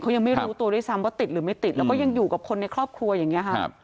เขายังไม่รู้ตัวด้วยซ้ำว่าติดหรือไม่ติดแล้วก็ยังอยู่กับคนในครอบครัวอย่างนี้ค่ะ